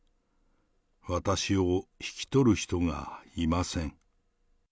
私を引き取る人がいません。